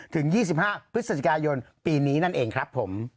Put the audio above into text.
ถึง๒๕พฤศจิกายนปีนี้นั่นเองครับผม